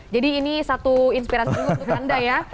jadi ini satu inspirasi nueva untuk anda ya